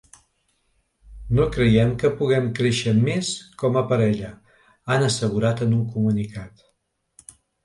No creiem que puguem créixer més com a parella, han assegurat en un comunicat.